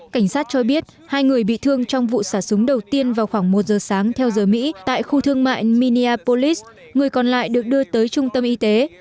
cảnh sát cho biết hai người bị thương trong vụ xả súng đầu tiên vào khoảng một giờ sáng theo giờ mỹ tại khu thương mại minir polis người còn lại được đưa tới trung tâm y tế